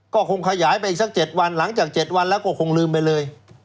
ก็คงขยายไปอีกสัก๗วันหลังจาก๗วันแล้วก็คงลืมไปเลย